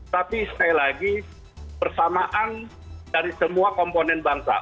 tapi sekali lagi bersamaan dari semua komponen bangsa